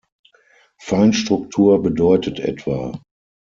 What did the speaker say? Feinstruktur bedeutet etwa